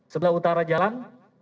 sebelah utara jalan